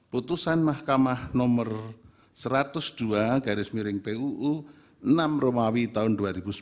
putusan mahkamah nomor satu ratus dua garis miring puu enam romawi tahun dua ribu sembilan belas